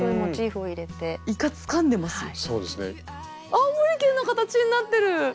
青森県の形になってる！